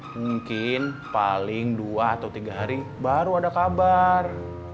mungkin paling dua atau tiga hari baru ada kabar